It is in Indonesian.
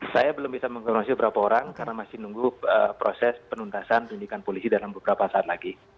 saya belum bisa mengkonfirmasi berapa orang karena masih nunggu proses penuntasan pendidikan polisi dalam beberapa saat lagi